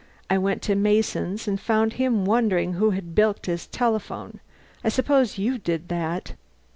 I went to Mason's, and found him wondering who had bilked his telephone. I suppose you did that.